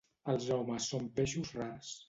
Els homes són peixos rars.